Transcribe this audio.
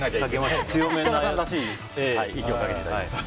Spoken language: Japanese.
設楽さんらしい息をかけていただきました。